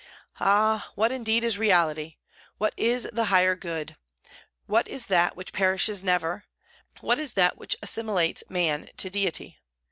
Ah, what indeed is reality; what is the higher good; what is that which perishes never; what is that which assimilates man to Deity?